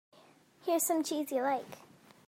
Here's some cheese you like.